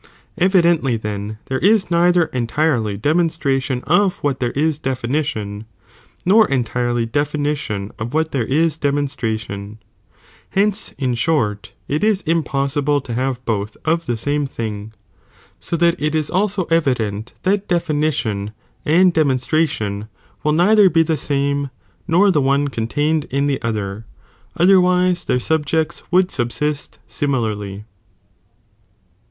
Evidently then there is neither entirely deraon lioi'™'''""'^ stration of what there ia definition, nor entirely de finition of what there ia demonstration ; benee in t ncfiniiion short it is impossible to have bothf of the same itrlttoi!?"''' ^^^"S> s tli^t i' '* "^0 evident that definition and demonstration will neither be the same, nor the deAnFd and de One Contained in the other, otherwise their sob moniiiaicd. jects' would suhsist similarly.